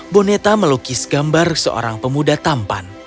boneta melukis gambar seorang pemuda tampan